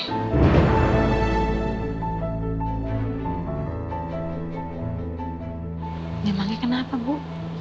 emangnya kenapa bu